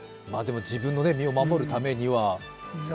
自分の身を守るためには。